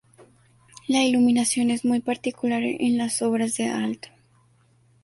La iluminación es muy particular en las obras de Aalto.